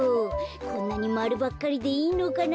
こんなにまるばっかりでいいのかな。